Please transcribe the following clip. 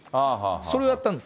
それをやったんです。